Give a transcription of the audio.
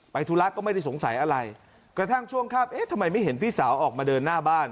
ธุระก็ไม่ได้สงสัยอะไรกระทั่งช่วงข้ามเอ๊ะทำไมไม่เห็นพี่สาวออกมาเดินหน้าบ้าน